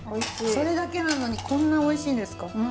それだけなのにこんなおいしいんですか？